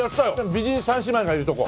美人三姉妹がいるとこ。